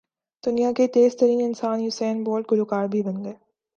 دنیا کے تیز ترین انسان یوسین بولٹ گلو کار بھی بن گئے